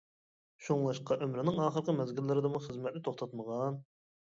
شۇڭلاشقا ئۆمرىنىڭ ئاخىرقى مەزگىللىرىدىمۇ خىزمەتنى توختاتمىغان.